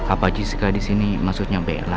apa jessica disini maksudnya bella